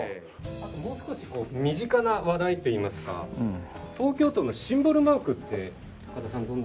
あともう少し身近な話題っていいますか東京都のシンボルマークって高田さん